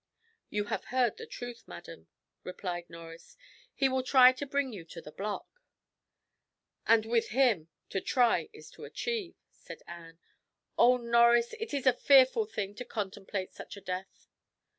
"You have heard the truth, madam," replied Norris, "he will try to bring you to the block." "And with him, to try is to achieve," said Anne. "Oh, Norris! it is a fearful thing to contemplate such a death!"